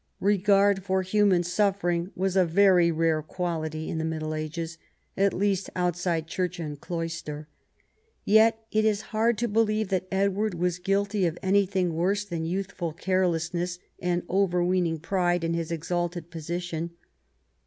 Regard for human suffering was a very rare quality in the Middle Ages, at least outside church and cloister. Yet it is hard to believe that Edward was guilty of anything worse than youthful carelessness, and overweening pride in his exalted position.